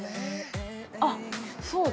◆あっ、そうだ。